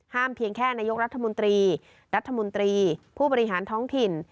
เพียงแค่นายกรัฐมนตรีรัฐมนตรีผู้บริหารท้องถิ่น